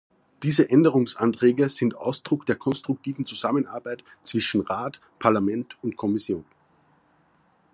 Diese Änderungsanträge sind Ausdruck der konstruktiven Zusammenarbeit zwischen Rat, Parlament und Kommission.